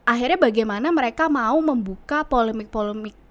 akhirnya bagaimana mereka mau membuka polemik polemik